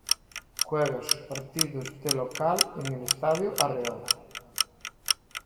Juega sus partidos de local en el Estadio Arreola.